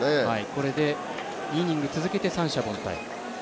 これで２イニング続けて三者凡退。